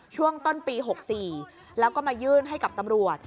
ช่วงต้นปี๖๔แล้วก็มายื่นให้กับตำรวจ